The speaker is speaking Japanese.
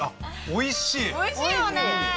おいしいよね